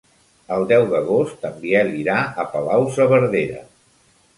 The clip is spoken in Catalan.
El deu d'agost en Biel irà a Palau-saverdera.